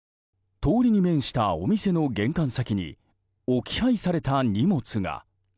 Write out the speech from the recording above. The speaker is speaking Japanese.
通りに面したお店の玄関先に置き配された荷物が。